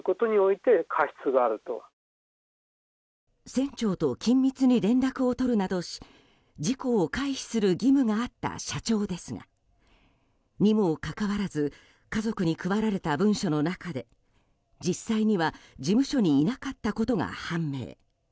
船長と緊密に連絡を取るなどし事故を回避する義務があった社長ですがにもかかわらず家族に配られた文書の中で実際には事務所にいなかったことが判明。